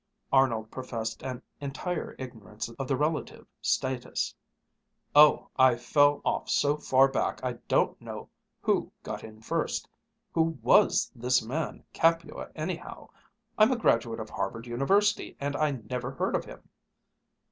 Arnold professed an entire ignorance of the relative status. "Oh, I fell off so far back I don't know who got in first. Who was this man Capua, anyhow? I'm a graduate of Harvard University and I never heard of him."